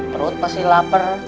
perut pasti lapar